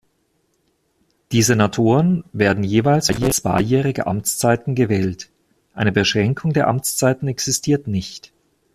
Die Senatoren werden jeweils für zweijährige Amtszeiten gewählt; eine Beschränkung der Amtszeiten existiert nicht.